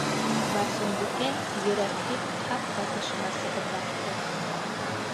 Барсынбикә, йөрәкһеп, ҡапҡа тышына сығып баҫты.